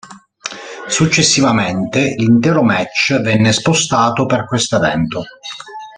Successivamente, l'intero match venne spostato per questo evento.